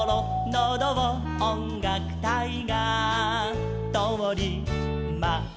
「のどをおんがくたいがとおります」